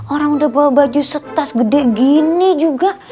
orang udah bawa baju setas gede gini juga